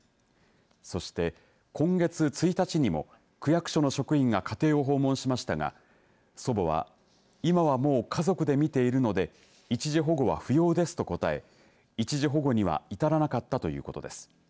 そして今月１日にも区役所の職員が家庭を訪問しましたが祖母は今はもう家族で見ているので一時保護は不要です、と答え一時保護には至らなかったということです。